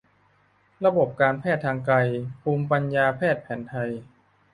ระบบการแพทย์ทางไกล ภูมิปัญญาแพทย์แผนไทย